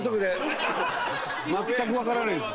全くわからないんです。